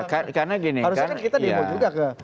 harusnya kita dihubung juga ke